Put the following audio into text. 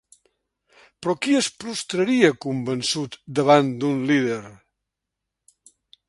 Però qui es prostraria convençut davant d'un líder?